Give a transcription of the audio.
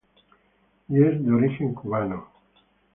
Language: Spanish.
Y es de origen cubano.